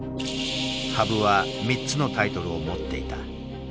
羽生は３つのタイトルを持っていた。